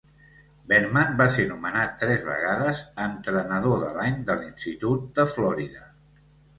Bertman va ser nomenat tres vegades Entrenador de l'Any de l'institut de Florida.